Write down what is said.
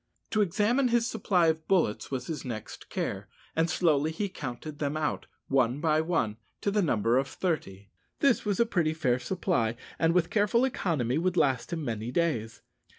To examine his supply of bullets was his next care, and slowly he counted them out, one by one, to the number of thirty. This was a pretty fair supply, and with careful economy would last him many days.